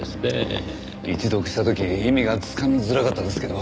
一読した時意味がつかみづらかったですけど